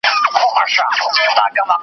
هريو څاڅکی يې هلمند دی .